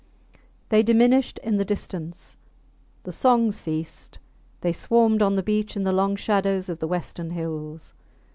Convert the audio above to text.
They diminished in the distance; the song ceased; they swarmed on the beach in the long shadows of the western hills.